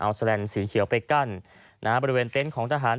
เอาแสดนสีเขียวไปกั้นนะฮะบริเวณเต้นของทหาร